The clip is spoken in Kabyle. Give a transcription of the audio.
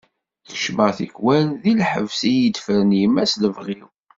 Keččmeɣ tikwal deg lḥebs iyi-d-tefren yemma s lebɣi-w.